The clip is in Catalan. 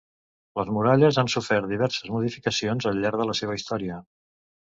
Les muralles han sofert diverses modificacions al llarg de la seva història.